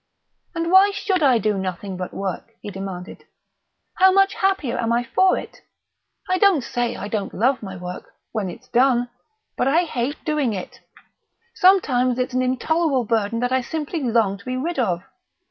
"And why should I do nothing but work?" he demanded. "How much happier am I for it? I don't say I don't love my work when it's done; but I hate doing it. Sometimes it's an intolerable burden that I simply long to be rid of.